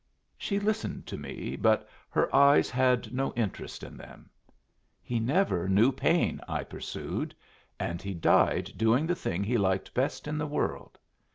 She listened to me, but her eyes had no interest in them. "He never knew pain," I pursued, "and he died doing the thing he liked best in the world.